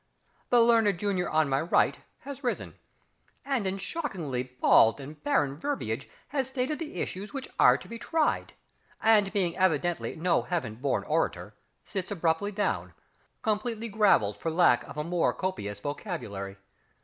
The learned junior on my right has risen, and in shockingly bald and barren verbiage has stated the issues which are to be tried, and, being evidently no Heaven born orator, sits abruptly down, completely gravelled for lack of a more copious vocabulary.